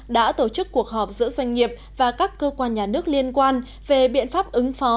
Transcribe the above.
đã tổ chức cuộc họp giữa doanh nghiệp và các cơ quan nhà nước liên quan về biện pháp ứng phó